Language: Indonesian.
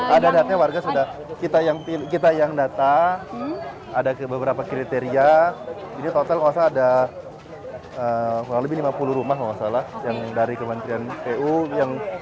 ada datanya warga sudah kita yang data ada beberapa kriteria jadi total nggak usah ada kurang lebih lima puluh rumah kalau nggak salah yang dari kementerian pu yang